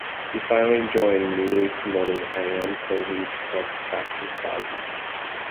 He finally joined newly promoted Iran Pro League club Tractor Sazi.